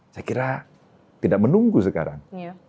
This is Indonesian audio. saya kira tidak menunggu sekarang